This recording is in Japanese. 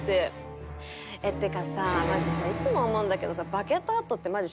「ってかさマジさいつも思うんだけどさ」。